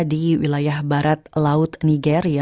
di wilayah barat laut nigeria